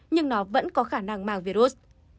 nhưng nó vẫn có khả năng mang virus